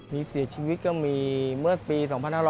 มีเสียชีวิตก็มีเมื่อปี๒๕๖๐